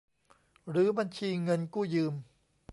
หรือบัญชีเงินกู้ยืม